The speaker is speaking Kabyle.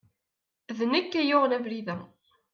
D nekk ay yuɣen abrid-a.